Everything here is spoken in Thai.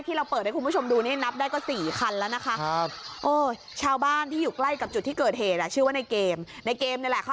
เราเปิดให้คุณผู้ชมดูนี่นับได้ก็๔คันแล้วนะคะ